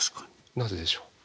なぜでしょう？